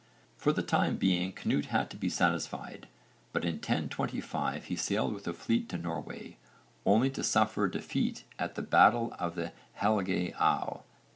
For the time being Cnut had to be satisfied, but in 1025 he sailed with a fleet to Norway, only to suffer defeat at the Battle of the Helge aa (i.e.